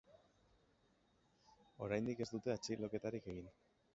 Oraindik ez dute atxiloketarik egin.